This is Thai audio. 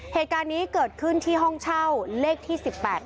เหตุการณ์นี้เกิดขึ้นที่ห้องเช่าเลขที่๑๘